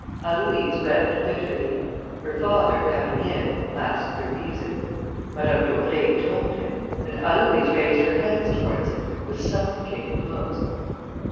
Aloïse wept bitterly. Her father coming in, asked the reason. Madame d'Auvray told him, and Aloïse raised her hands towards him with supplicating looks.